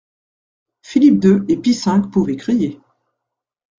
Philippe deux et Pie cinq pouvaient crier.